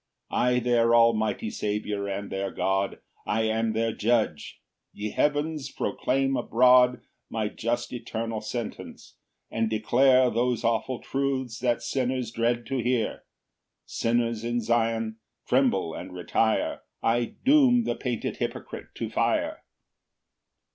4 I their almighty Saviour and their God, I am their Judge: ye heavens, proclaim abroad My just eternal sentence, and declare Those awful truths that sinners dread to hear: Sinners in Zion, tremble and retire; I doom the painted hypocrite to fire.